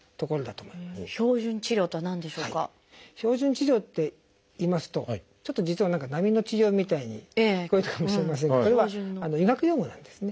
「標準治療」っていいますとちょっと実は何か並の治療みたいに聞こえたかもしれませんがこれは医学用語なんですね。